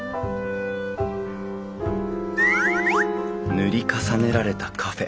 「塗り重ねられたカフェ」